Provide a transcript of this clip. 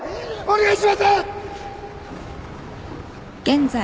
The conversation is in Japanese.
お願いします！